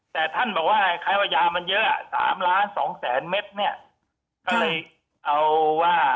แต่ท่านบอกว่าใครว่าอย่ามันเยอะ๓ล้าน๒๐๐แม็ตก็ได้เอาว่า